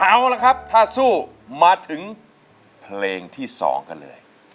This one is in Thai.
เอาละครับถ้าสู้มาถึงเพลงที่๒กันเลย